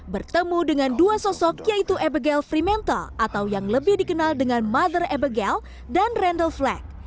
bertemu dengan dua sosok yaitu abigail fremantle atau yang lebih dikenal dengan mother abigail dan randall flagg